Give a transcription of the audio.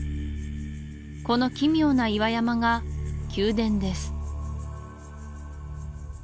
この奇妙な岩山が宮殿です